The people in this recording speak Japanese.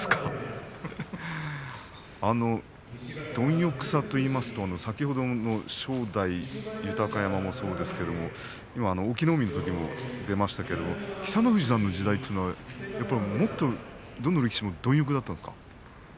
貪欲さといいますと先ほどの正代、豊山もそうですが隠岐の海関も出ましたが北の富士さんの時代はどんな力士も貪欲だったんですか？